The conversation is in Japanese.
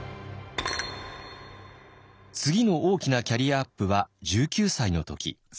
次の大きなキャリアアップは１９歳の時。